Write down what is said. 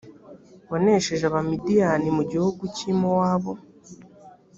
wanesheje abamidiyani mu gihugu cy i mowabu